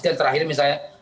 dan terakhir misalnya